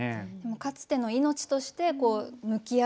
かつての命として向き合う。